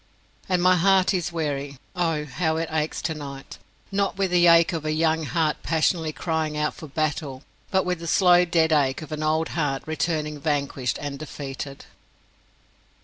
And my heart is weary. Oh, how it aches tonight not with the ache of a young heart passionately crying out for battle, but with the slow dead ache of an old heart returning vanquished and defeated!